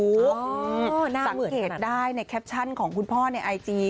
สังเกตได้ในแคปชั่นของคุณพ่อในไอจี